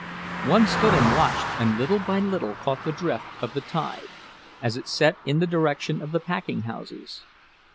One stood and watched, and little by little caught the drift of the tide, as it set in the direction of the packing houses.